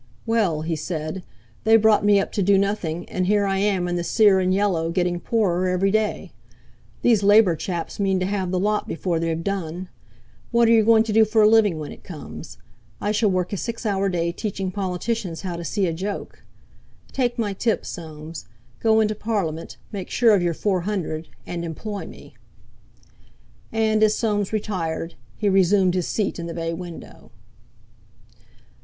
"Well," he said, "they brought me up to do nothing, and here I am in the sear and yellow, getting poorer every day. These Labour chaps mean to have the lot before they've done. What are you going to do for a living when it comes? I shall work a six hour day teaching politicians how to see a joke. Take my tip, Soames; go into Parliament, make sure of your four hundred—and employ me." And, as Soames retired, he resumed his seat in the bay window.